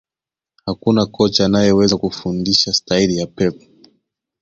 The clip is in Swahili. Hakuna kocha anayeweza kufundisha staili ya Pep